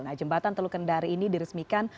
nah jembatan teluk kendari ini diresmikan